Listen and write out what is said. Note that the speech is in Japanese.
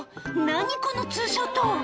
何このツーショット。